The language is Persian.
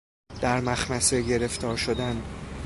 در مخمصه گرفتار شدن